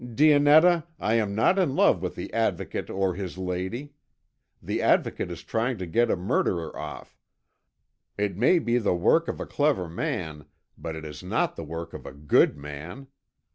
Dionetta, I am not in love with the Advocate or his lady. The Advocate is trying to get a murderer off; it may be the work of a clever man, but it is not the work of a good man.